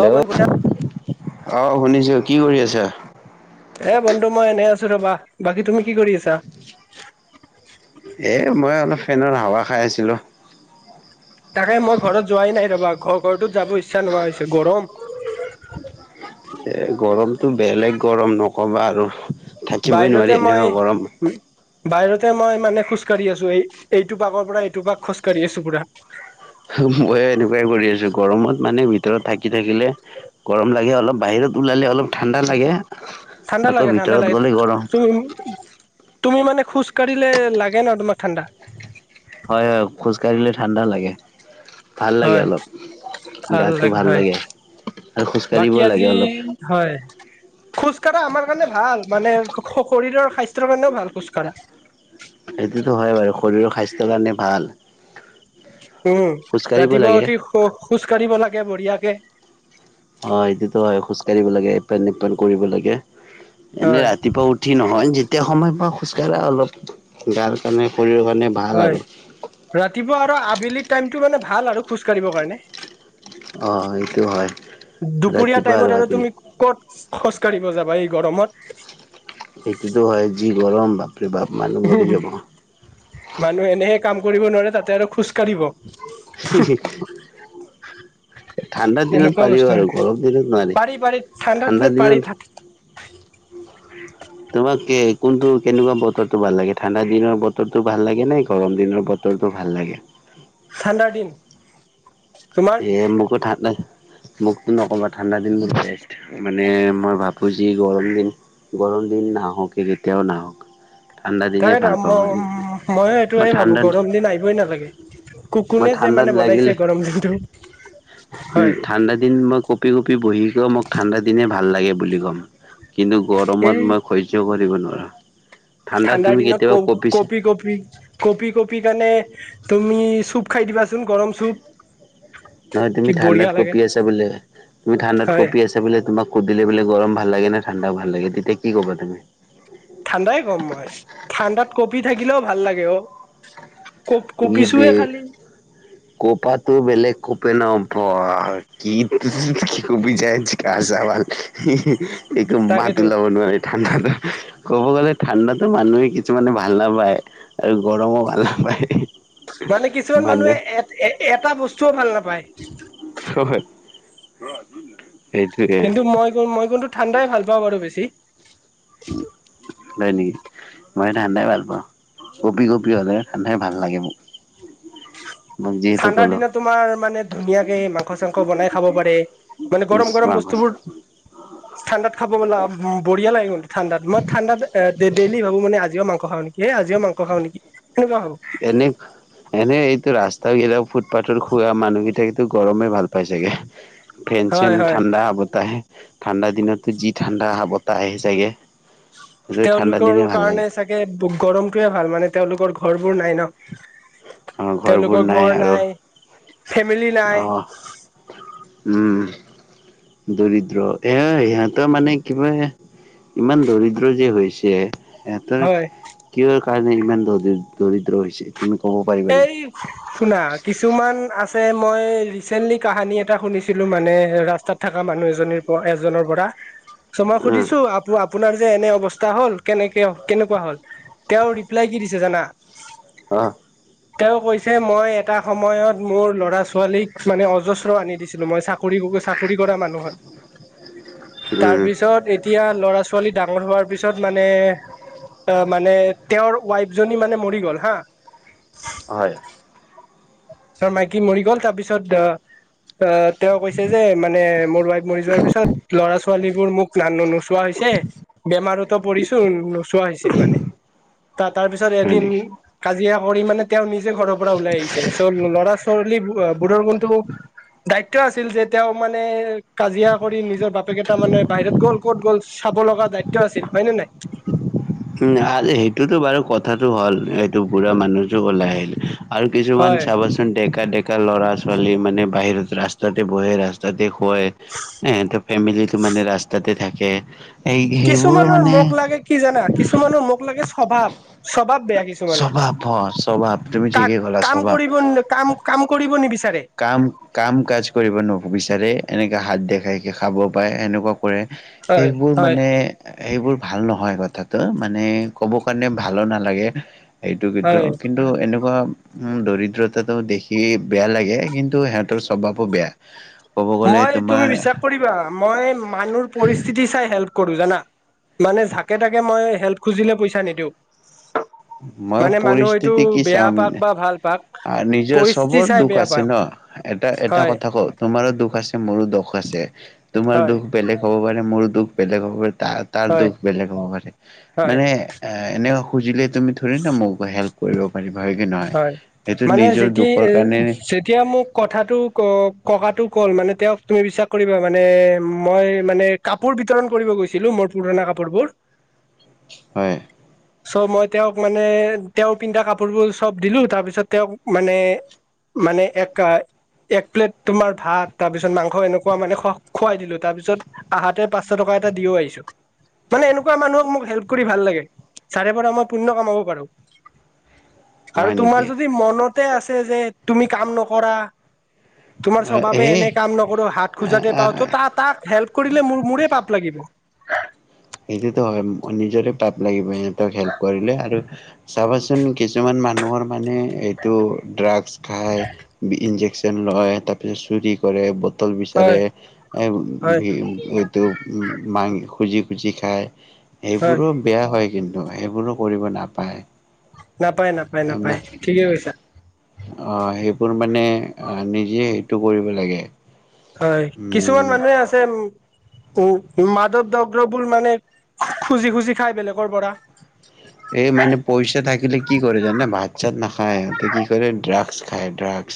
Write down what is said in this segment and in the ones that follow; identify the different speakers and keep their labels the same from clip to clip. Speaker 1: অ ম পজা [unintelligible]
Speaker 2: অহ, শুনিছোঁ কি কৰি আছা।
Speaker 1: এ বন্ধু মই এনেই আছো ৰবা বাকী তুমি কি কৰি আছা।
Speaker 2: এ মই অলপ ফেনৰ হাৱা খাই আছিলোঁ।
Speaker 1: তাকে মই ঘৰত যোৱাই নাই ৰবা, ঘৰতো যাব ইচ্ছা নোহোৱা হৈছে গৰম।
Speaker 2: এ গৰমটো বেলেগ গৰম নক'বা আৰু, থাকিবই
Speaker 1: বাহিৰতে
Speaker 2: নোৱাৰি
Speaker 1: মই
Speaker 2: এনেকুৱা গৰমৱ
Speaker 1: বাহিৰতে মই মানে খোজকাঢ়ি আছোঁ এই এইটো পাকৰ পৰা এইটো পাক খোজকাঢ়ি আছো পুৰা।
Speaker 2: ময়ো এনেকুৱাই কৰি আছোঁ গৰমত মানে ভিতৰত থাকি থাকিলে গৰম লাগে অলপ বাহিৰত ওলালে অলপ ঠাণ্ডা লাগে।
Speaker 1: ঠাণ্ডা
Speaker 2: আকৌ
Speaker 1: লাগে ঠাণ্ডা
Speaker 2: ভিতৰত
Speaker 1: লাগে,
Speaker 2: গ'লে গৰম
Speaker 1: তুম তুমি মানে খোজ কাঢ়িলে লাগে ন' তোমাৰ ন' তোমাৰ ঠাণ্ডা।
Speaker 2: হয় হয় খোজ কাঢ়িলে ঠাণ্ডা লাগে। ভাল লাগে
Speaker 1: হয়
Speaker 2: অলপ, গাটো ভাল লাগে। আৰু খোজকাঢ়িব
Speaker 1: বাকী
Speaker 2: লাগে
Speaker 1: আজি
Speaker 2: অলপ
Speaker 1: হয়, খোজ কঢ়া আমাৰ কাৰণে ভাল মানে শ- শৰীৰৰ স্বাস্থ্যৰ কাৰণেও ভাল খোজকাঢ়া।
Speaker 2: সেইটোতো হয় বাৰু শৰীৰৰ স্বাস্থ্যৰ কাৰণে ভাল।
Speaker 1: উম,
Speaker 2: খোজকাঢ়িব
Speaker 1: ৰাতিপুৱা
Speaker 2: লাগে
Speaker 1: উঠি খ খোজ কাঢ়িব লাগে বঢ়িয়াকে।
Speaker 2: হয় সেইটো হয় খোজ কাঢ়িব লাগে এপেণ্ট নিপেণ্ট কৰিব লাগে। এনেই
Speaker 1: হয়
Speaker 2: ৰাতিপুৱা উঠি নহয় যেতিয়া সময় পাওঁ খোজকাঢ়া অলপ গাৰ কাৰণে শৰীৰৰ কাৰণে ভাল
Speaker 1: হয়
Speaker 2: আৰু।
Speaker 1: ৰাতিপুৱা আৰু আবেলি টাইমটো মানে ভাল আৰু খোজকাঢ়িব কাৰণে।
Speaker 2: অ সেইটো হয়
Speaker 1: দুপৰীয়া
Speaker 2: ৰাতিপুৱা
Speaker 1: টাইমত আৰু
Speaker 2: ভাবিলে
Speaker 1: তুমি ক'ত। খোজ কাঢ়িব যাবা এই গৰমত।
Speaker 2: সেইটোতো হয় যি গৰম বা
Speaker 1: মানুহ এনেহে কাম কৰিব নোৱাৰে তাতে আৰু খোজ কাঢ়িব।
Speaker 2: [unintelligible] ঠাণ্ডা দিনত
Speaker 1: এনেকুৱা বস্তু
Speaker 2: পাৰিব
Speaker 1: মানে
Speaker 2: আৰু গৰম দিনত নোৱাৰি,
Speaker 1: পাৰি পাৰি ঠাণ্ডাৰ
Speaker 2: ঠাণ্ডা
Speaker 1: পাৰি
Speaker 2: দিনত তোমাক কে কোনটো কেনেকুৱা বতৰো ভাল লাগে ঠাণ্ডা দিনৰ বতৰো ভাল লাগে নে গৰম দিনৰ বতৰটো ভাল লাগে।
Speaker 1: ঠাণ্ডাৰ দিন। তোমাৰ
Speaker 2: এ মোকো ঠাণ্ডা মোকতো নক'বা ঠাণ্ডা দিন বোৰ বেষ্ট, মানে মই ভাবো যি গৰম দিন গৰম দিন নাহওঁকে কেতিয়াও নাহক। ঠাণ্ডা
Speaker 1: [unintelligible]
Speaker 2: দিনে ভাল
Speaker 1: ম-
Speaker 2: পাওঁ
Speaker 1: ম- ময়ো
Speaker 2: মই
Speaker 1: সেইটোৱে ভাবো
Speaker 2: ঠাণ্ডাত
Speaker 1: গৰম দিন আহিবই নালাগে। কু
Speaker 2: মই
Speaker 1: কোনে যে
Speaker 2: ঠাণ্ডাত
Speaker 1: মানে
Speaker 2: লাগিলে
Speaker 1: বনাইছে গৰম দিনটো।
Speaker 2: উম,
Speaker 1: হয়
Speaker 2: ঠাণ্ডা দিন মই কঁপি কঁপি বহিগে মোক ঠাণ্ডা দিন ভাল লাগে বুলি ক'ম, কিন্তু গৰমত
Speaker 1: এই
Speaker 2: মই সহ্য কৰিব নোৱাৰো। ঠাণ্ডাত
Speaker 1: ঠাণ্ডাৰ
Speaker 2: তুমি
Speaker 1: দিনত
Speaker 2: কেতিয়াবা
Speaker 1: ক
Speaker 2: কঁপিছা
Speaker 1: কঁপি কঁপি, কঁপি কঁপি কাৰণে তুমি চুপ খাই দিবাচোন গৰম চুপ।
Speaker 2: নহয় তুমি
Speaker 1: কি
Speaker 2: ঠাণ্ডাত
Speaker 1: বঢ়িয়া লাগে
Speaker 2: কপি আছা বোলে, তুমি ঠাণ্ডাত
Speaker 1: হয়
Speaker 2: কঁপি আছা বোলে তোমাক দিলে বোলে গৰম ভাল লাগে না ঠাণ্ডা ভাল লাগে তেতিয়া কি ক'বা তুমি।
Speaker 1: ঠাণ্ডাই ক'ম মই, ঠাণ্ডাত কঁপি থাকিলেও ভাল লাগে অ'। কপ
Speaker 2: ই বে
Speaker 1: কঁপিছোৱে খালি
Speaker 2: কোপাটো বেলেগ কপে ন' বা কি কপি যায় গা চা! ! ! ! ! ! ! ! ! ! একো মাত
Speaker 1: তাকেতো
Speaker 2: ওলাব নোৱাৰে ঠাণ্ডা ক'ব গ'লে ঠাণ্ডাতো মানুহে কিছুমানে ভাল নাপায় আৰু গৰমো ভাল নাপায়।
Speaker 1: মানে কিছুমান মানুহে এ এ এটা বস্তুও ভাল নাপায়।
Speaker 2: [unintelligible]
Speaker 1: কিন্তু মই মই কিন্তু ঠাণ্ডাই ভাল পাওঁ বাৰু বেছি।
Speaker 2: [inaudible] হয় নেকি মই ঠাণ্ডাই ভাল পাওঁ কঁপি কঁপি হ'লেও ঠাণ্ডাই ভাল লাগে মোক। [inaudible]
Speaker 1: ঠাণ্ডাৰ
Speaker 2: ক'লো
Speaker 1: দিনত তোমাৰ মানে ধুনীয়াকে মাংস চাংস বনাই খাব পাৰে। মানে গৰম
Speaker 2: ইচ
Speaker 1: গৰম
Speaker 2: মাংস
Speaker 1: বস্তুবোৰ, ঠাণ্ডাত খাব [unintelligible] বঢিয়া লাগে কিন্তু ঠাণ্ডাত মই ঠাণ্ডাত ডে ডেইলি ভাবো মানে আজিও মাংখ খাওঁ নেকি এ আজিও মাংস খাওঁ নেকি। সেনেকুৱা ভাবো
Speaker 2: এনে এনে এইটো ৰাস্তা তাক এয়া ফুটপাথৰ শুৱা মানুহকেইটাতো গৰমেই ভাল পাই চাগে। ফেন
Speaker 1: হয়
Speaker 2: চেন
Speaker 1: হয়
Speaker 2: ঠাণ্ডা বতাহ আহে। ঠাণ্ডা দিনততো যি ঠাণ্ডা বতাহ আহে চাগে। সেইটো ঠাণ্ডা
Speaker 1: তেওঁলোকৰ
Speaker 2: দিনে ভাল
Speaker 1: কাৰণে
Speaker 2: লাগে
Speaker 1: চাগে গৰমটোৱে ভাল মানে তেওঁলোকৰ ঘৰবোৰ নাই ন'।
Speaker 2: আমাৰ ঘৰবোৰ
Speaker 1: তেওঁলোকৰ ঘৰ
Speaker 2: আৰু
Speaker 1: নাই, ফেন ফেমিমিলি
Speaker 2: অ
Speaker 1: নাই।
Speaker 2: উম, দৰিদ্ৰ এ, সিহঁতৰ মানে কিবা ইমান দৰিদ্ৰ যে হৈছে। সিহঁতৰ
Speaker 1: হয়
Speaker 2: কিহৰ কাৰণে ইমান দ-দৰিদ্ৰ হৈছে। তুমি ক'ব পাৰিবা
Speaker 1: এই,
Speaker 2: নেকি
Speaker 1: শুনা কিছুমান আছে তে মই ৰিচেণ্টলি কাহানী এটা শুনিছিলোঁ মানে ৰাস্তাত থকা মানুহ এজনীৰপৰা এজনৰপৰা।
Speaker 2: [unintelligible]
Speaker 1: চ' মই
Speaker 2: উম
Speaker 1: সুধিছোঁ আপো আপ আপোনাৰ যে এনে অৱস্থা হ'ল কেনেকে কেনেকুৱা হ'ল, তেওঁৰ ৰিপ্লাই কি দিছে জানা?
Speaker 2: হা?
Speaker 1: তেওঁ কৈছে মই এটা সময়ত মোৰ ল'ৰা ছোৱালীক মানে অজস্ৰ আনি দিছিলোঁ, মই চাক কৰি চাকৰি কৰা মানুহ হয়।
Speaker 2: উম
Speaker 1: তাৰপিছত এতিয়া ল'ৰা ছোৱা ছোৱালী ডাঙৰ হোৱাৰ পিছত মানে অ' মানে তেওঁৰ ৱাইফজনী মানে মৰি গ'ল হা।
Speaker 2: হয়
Speaker 1: তাৰ মাইকী মৰি গ'ল তাৰপিছত আ, আ তেওঁ কৈছে যে মানে মোৰ ৱাইফ মৰি যোৱাৰ পিছত ল'ৰা ছোৱালীবোৰ মোক নানো নোচোৱা হৈছে। বেমাৰতো পৰিছো, নোচোৱা হৈছে মানে। তা-তাৰ পিছত
Speaker 2: হয়
Speaker 1: এদিন
Speaker 2: নেকি
Speaker 1: কাজিয়া কৰি মানে তেওঁ নিজে ঘৰৰ পৰা ওলাই আহিছে চ' ল'ৰা ছোৱালী অ' বু়ৰ কণটো দায়িত্ব আছিল যে তেওঁ মানে কাজিয়া কৰি নিজৰ বাপেকেইটা মানে বাহিৰত গ'ল, ক'ত গ'ল চাব লগা দায়িত্ব আছিল হয় নে নাই?
Speaker 2: উম, আৰু সেইটোতো বাৰু কথাটো হ'ল এইটো বুঢ়া মানুহজো ওলাই আহিল আৰু কিছুমান
Speaker 1: হয়
Speaker 2: চাবচোন দেখ ডেকা ডেকা ল'ৰা ছোৱালী মানে বাহিৰত ৰাস্তাতে বহে ৰাস্তাতে বই, ইহঁতৰ ফেমিলিটো মানে ৰাস্তাতে থাকে। এই সেইবোৰো
Speaker 1: কিছুমানৰ
Speaker 2: মানে
Speaker 1: মোক লাগে কি জানা, কিছুমানৰ মোক লাগে স্বভাৱ স্বভাৱ বেয়া কিছুমানৰ।
Speaker 2: স্বভাৱ হয় স্বভাৱ তুমি ঠিকেই ক'লা
Speaker 1: কা-কাম
Speaker 2: স্বভাৱ।
Speaker 1: কৰিব কাম কাম কৰিব নিবিচা
Speaker 2: কাম কাম কাজ কৰিব নো বিচাৰে এনেকে হাত দেখাই খাব পাৰে সেনেকুৱা কৰে।
Speaker 1: হয়
Speaker 2: সেইবোৰ
Speaker 1: হয়
Speaker 2: মানে সেইবোৰ ভাল নহয় কথাটো মানে ক'ব কাৰণে ভালোঁ নালাগে এইটো কিন্তু,
Speaker 1: হয়
Speaker 2: কিন্তু এনেকুৱা- উম, দৰিদ্ৰতাটো দেখি বেয়া লাগে কিন্তু সিহঁতৰ স্বভাবো বেয়া। ক'ব গ'লে
Speaker 1: মই তুমি
Speaker 2: তোমাৰ
Speaker 1: বিশ্বাস কৰিবা মই মানুহৰ পৰিস্থিতি চাই হেল্প কৰোঁ জানা। মানে যাকে থাকে মই হেল্প খুজিলে পইচা নিদিওঁ।
Speaker 2: মই
Speaker 1: মানে মানুহ এইটো
Speaker 2: পৰিস্থিতি কি
Speaker 1: বেয়া
Speaker 2: চাম
Speaker 1: পাক বা ভাল পাক, পৰিস্থিতি চাই বেয়া পায় অ'।
Speaker 2: অ' এটা এটা কথা কওঁ তোমাৰো দুখ আছে। মোৰো দুখ আছে। তোমাৰ
Speaker 1: হয়
Speaker 2: দুখ বেলেগ হ'ব পাৰে মোৰ দুখ বেলেগ হ'ব পাৰে। তা-তাৰ
Speaker 1: হয়
Speaker 2: দুখ বেলেগ হ'ব পাৰে।
Speaker 1: হয়
Speaker 2: মানে এনে খুজিলে তুমি থৰি না মোক হেল্প কৰিব পাৰিব।
Speaker 1: হয় মানে যেতি আ,
Speaker 2: কাৰণে
Speaker 1: যেতিয়া মোক কথাটো ক'ক ককাটো ক'ল মানে তেওঁক তুমি বিশ্বাস কৰিবা মানে মই মানে কাপোৰ বিতৰণ কৰিব গৈছিলোঁ পুৰণা কাপোৰবোৰ
Speaker 2: হয়।
Speaker 1: মই তেওঁক মানে তেওঁ পিন্ধা কাপোৰোৰ চব দিলোঁ, তাৰপিছত তেওঁক মানে মানে একা এক প্লেট তোমাৰ ভাত তাৰপিছত মাংস এনেকুৱা মানে খো-খুৱাই দিলোঁ, তাৰপিছত আহাতে পাঁচশ টকা কিবা এটা দিও আহিছো। মানে এনেকুৱা মানুহক মোক হেল্প কৰি ভাল লাগে, যাৰে পৰা মই পুণ্য কামাব পাৰো।
Speaker 2: [inaudible]
Speaker 1: আৰু
Speaker 2: নেকি
Speaker 1: তোমাৰ যদি মনতে আছে যে, তুমি কাম নকৰা। তোমাৰ স্বভাৱে এনে কাম নকৰো হাত খোজাতে পাও,
Speaker 2: এ
Speaker 1: তা-তা-তাক হেল্প কৰিলে মোৰ মোৰে পাপ লাগিব।
Speaker 2: সেইটোতো হয়, নিজৰে পাপ লাগিব, সিহঁতক হেল্প কৰিলে আৰু। চাবাচোন, কিছুমান মানুহৰ মানে এইটো ড্ৰাগছ খাই, ইনজেকচন। ইনজেকচন লয়, তাৰপিছত চুৰি কৰে। টল
Speaker 1: হয়
Speaker 2: বিচাৰে,
Speaker 1: হয়
Speaker 2: এইটো উ মাং খুজি খুজি খাই,
Speaker 1: হয়
Speaker 2: সেইবোৰো বেয়া হয় কিন্তু সেইবোৰো কৰিব নাপায়।
Speaker 1: নাপায় নাপায় নাপায়, ঠিকে কৈছা।
Speaker 2: অ' সেইবোৰ মানে, আহ নিজে সেইটো কৰিব লাগে।
Speaker 1: হয়, কিছুমান
Speaker 2: উম
Speaker 1: মানুহে আছে উম্। উ, মাদক দব্যবোৰ মানে খুজি খুজি খাই বেলেগৰ পৰা।
Speaker 2: এই মানে পইচা থাকিলে। থাকিলে কি কৰে জানেনে, ভাত চাত নাখায় ইহঁতে কি কৰে ড্ৰাগছ খায় ড্ৰাগছ।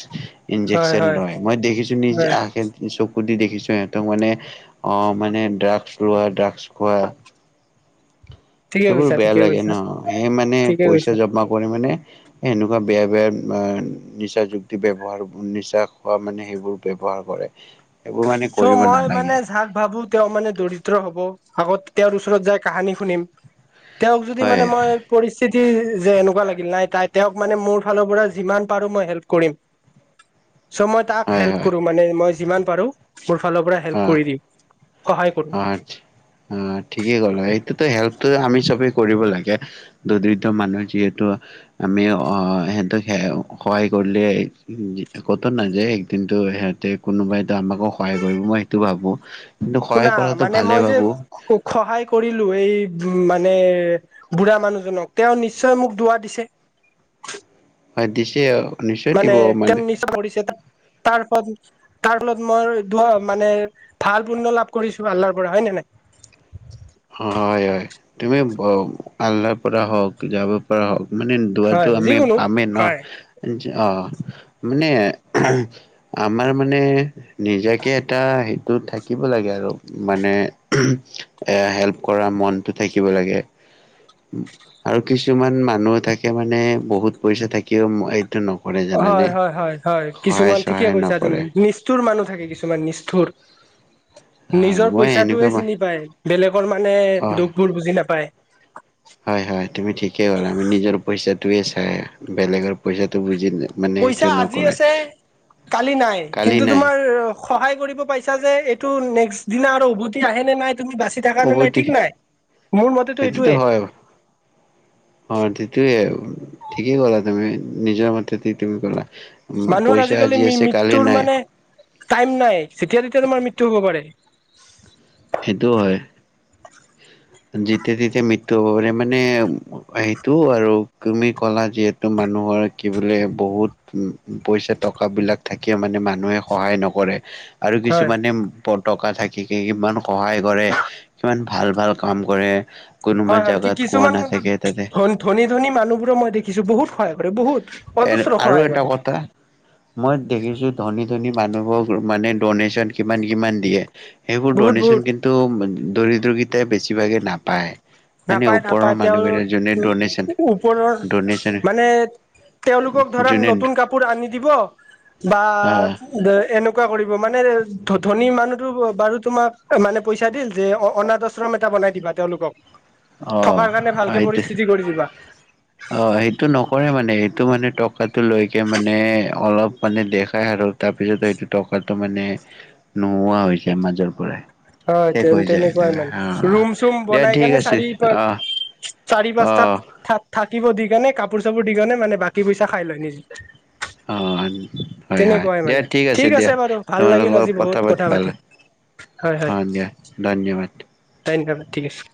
Speaker 1: হয়
Speaker 2: ইন্জেকচন
Speaker 1: হয়
Speaker 2: লয়, মই দেখিছো
Speaker 1: হয়
Speaker 2: নিজে চকু। যি দেখিছো সিহঁতক মানে অ' মানে ড্ৰাগছ লোৱা, ড্ৰাগছ খোৱা।
Speaker 1: ঠিকে
Speaker 2: সেইবোৰ
Speaker 1: কৈছা
Speaker 2: বেয়া
Speaker 1: ঠিকে
Speaker 2: লাগে ন,
Speaker 1: কৈছা
Speaker 2: সেই মানে
Speaker 1: ঠিকে
Speaker 2: পইচা
Speaker 1: কৈছা
Speaker 2: জমা কৰি মানে এনেকুৱা। বেয়া বেয়া, নিচা যুক্তি ব্যৱহাৰ নিচা খোৱা মানে সেইবোৰ ব্যৱহাৰ কৰে। এইবোৰ মানে
Speaker 1: চ'
Speaker 2: কৰিব
Speaker 1: মই মানে
Speaker 2: নালাগে
Speaker 1: যাক ভাবো, তেওঁ মানে দৰিদ্ৰ হ'ব। আগত তেওঁৰ ওচৰত যাই কাহানী শুনিম, তেওঁক যদি
Speaker 2: হয়
Speaker 1: মানে মই পৰিস্থিতি। পৰিস্থিতি যে এনেকুৱা লাগিল নাই, তাই তেওঁক মানে মোৰ ফালৰ পৰা যিমান পাৰো মই হেল্প কৰিম।
Speaker 2: [unintelligible]
Speaker 1: চ' মই তাক
Speaker 2: হয়
Speaker 1: হেল্প
Speaker 2: হয়
Speaker 1: কৰো মানে, মই যিমান পাৰো মোৰ ফালৰ পৰা হেল্প কৰি দিম। সহায় কৰো
Speaker 2: অ' আচ্ছা, অ' ঠিকেই কলা এই। এইটো হেল্পটো আমি চবেই কৰিব লাগে, দৰিদ্ৰ মানুহ যিহেতু আমি অ'। সিহঁতক সহায় কৰিলে একোতো নাযায়, একদিনটো সিহঁতে কোনোবাইটো। আমাকো সহায় কৰিব মই সেইটো ভাবো, কিন্তু সহায়।
Speaker 1: শুনা
Speaker 2: কৰাটো
Speaker 1: মানে,
Speaker 2: ভালে
Speaker 1: মই যে
Speaker 2: ভাবো
Speaker 1: স সহায় কৰিলো। কৰিলো, এই উ মানে বুঢ়া মানুহজনক, তেওঁ নিশ্চয় মোক দুৱা দিছে।
Speaker 2: হয় দিছেও।
Speaker 1: মানে তেওঁ নিচা কৰিছে তাৰ পা যদি। তাৰ ফলত মইটো মানে ভাল পুণ্য লাভ কৰিছো আল্লাৰ পৰা, হয়ে ন নাই?
Speaker 2: হয় হয়, তুমি আল্লাৰ পৰা হওক, যাবৰ পৰা হওক। মানে দুৱা টো
Speaker 1: হয়
Speaker 2: আমি
Speaker 1: যিকোনো
Speaker 2: পামেই ন।
Speaker 1: হয়
Speaker 2: অ', মানে, আমাৰ মানে নিজাকে এটা। হেৰিটো থাকিব লাগে আৰু মানে। এ, হেল্প কৰা মনটো থাকিব লাগে। আৰু কিছুমান মানুহ থাকে মানে, বহুত পইচা থাকিও। নকৰে জানানে
Speaker 1: হয় হয়, হয়, হয়
Speaker 2: সহায়
Speaker 1: কিছুমান ঠিকে
Speaker 2: চহায়
Speaker 1: কৈছা তুমি,
Speaker 2: নকৰে
Speaker 1: নিষ্ঠুৰ মানুহ। থাকে কিছুমান নিষ্ঠুৰ।
Speaker 2: আহ
Speaker 1: নিজৰ
Speaker 2: মই
Speaker 1: পইচাটোয়ে
Speaker 2: এনেকুৱা ম
Speaker 1: চিনি পায়, বেলেগৰ মানে
Speaker 2: অ
Speaker 1: দুখবোৰ বুজি নাপায়।
Speaker 2: হয় হয়, তুমি ঠিকেই ক'লা আমি নিজৰ পইচাটোয়ে চাই বেলেগৰ পইচাটো বুজিয়ে নাপায়।
Speaker 1: পইচা আজি আছে, কালি নাই
Speaker 2: কালি
Speaker 1: কিন্তু
Speaker 2: নাই
Speaker 1: তোমাৰ। সহায় কৰিব পাইছা যে, এইটো নেক্স দিনা আৰু উভতি আহে নে নাই। তুমি বাচি থাকা নে নাই
Speaker 2: উভতি
Speaker 1: ঠিক নাই, মোৰ মতেটো
Speaker 2: সেইটোতো
Speaker 1: এইটোৱেই।
Speaker 2: হয় অ' সেইটোৱে, ঠিকেই ক'লা তুমি, নিজৰ মতে তুমি ক'লা।
Speaker 1: মানুহৰ
Speaker 2: পইচা
Speaker 1: আজিকালি
Speaker 2: আজি আছে কালি
Speaker 1: মৃত্যুৰ
Speaker 2: নাই
Speaker 1: মানে। টাইম নাই, যেতিয়াই তেতিয়াই তোমাৰ মৃত্যু হ'ব পাৰে।
Speaker 2: সেইটোও হয় যেতিয়া- তেতিয়া মৃত্যু হব পাৰে মানে সেইটো আৰু তুমি ক'লা যিহেতু মানুহ কি বোলে বহুত উ পইচা টকা বিলাক থাকিয় মানে মানুহে সহায় নকৰে আৰু
Speaker 1: হয়
Speaker 2: কিছুমানে পতকা থাকি কিমান সহায় কৰে কিমান ভাল, ভাল কাম কৰে। কোনোবা
Speaker 1: হয়, হয় কি
Speaker 2: জাগাত কোৱা
Speaker 1: কিছুমান কিন্তু
Speaker 2: নাথাকে তাতে
Speaker 1: ধ ধনী, ধনী মানুহবোৰো মই দেখিছো বহুত সহায় কৰে বহুত
Speaker 2: এ
Speaker 1: অজস্ৰ
Speaker 2: আৰু
Speaker 1: সহায়
Speaker 2: এটা
Speaker 1: কৰে
Speaker 2: কথা মই দেখিছোঁ ধনী মানুহবোৰক মানে দনেচন কি কিমান দিয়ে
Speaker 1: বহুত বহুত
Speaker 2: সেইবোৰ'দোনে্চন কিন্তু দৰিদ্ৰগিতাই বেছিভাগে নাপায় মানে
Speaker 1: নাপায়
Speaker 2: ওপৰৰ
Speaker 1: নাপায় তেওঁ
Speaker 2: মানুহকেইটা যোনে ডনেশ্যন
Speaker 1: উ ওপৰৰ
Speaker 2: ডনেশ্যন
Speaker 1: মানে তেওঁলোকক ধৰা
Speaker 2: যোনে
Speaker 1: নতুন কাপোৰ আনি দিব বা
Speaker 2: আহ
Speaker 1: এনেকুৱা কৰি মানে ধনী মানুহতো বাৰু তোমাক মানে পইচা দিল যে অনাথ আশ্ৰম এটা বনাই দিবা তেওঁলোকক থকাৰ
Speaker 2: অ',
Speaker 1: কাৰণে ভালকে
Speaker 2: হেইটোৱেই
Speaker 1: পৰিস্থিতি কৰি দিবা
Speaker 2: অ', সেইটো নকৰে মানে এইটো মানে টকাটো লৈকে মানে অলপ মানে দেখাই আৰু তাৰপিছত সেটো টকাটো মানে নোহোৱা হৈছে মাজৰ পৰাই
Speaker 1: হয়
Speaker 2: শেষ
Speaker 1: তে
Speaker 2: হৈ যায়।
Speaker 1: তেনেকুৱাই মানে
Speaker 2: অ'
Speaker 1: ৰুম চুম
Speaker 2: দিয়া
Speaker 1: বনাই
Speaker 2: ঠিক
Speaker 1: কেনে
Speaker 2: আছে অ'
Speaker 1: চাৰিওপি চাৰি
Speaker 2: অ'।
Speaker 1: পাঁচটাত থা থাক থাকিব দি কিনে কাপোৰ -চাপোৰ দি কিনে মানে বাকী পইচা খাই লয় নিজ
Speaker 2: অ',। হয়, হয় দিয়া
Speaker 1: মানে
Speaker 2: ঠিক আছে দিয়া,
Speaker 1: বাৰু ভাল লাগিল
Speaker 2: তোমালোকক
Speaker 1: আজি
Speaker 2: কথা
Speaker 1: বহুত
Speaker 2: পাতি ভাল
Speaker 1: হয়
Speaker 2: অ', দিয়া ধন্যবাদ।
Speaker 1: ধন্যবাদ ঠিক আছে।